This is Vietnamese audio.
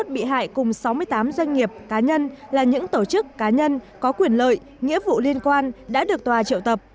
hai mươi một bị hại cùng sáu mươi tám doanh nghiệp cá nhân là những tổ chức cá nhân có quyền lợi nghĩa vụ liên quan đã được tòa triệu tập